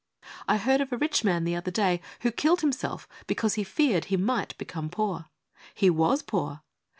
♦I heard of a rich man the other day who killed himself because he feared he might become poor. He was poor.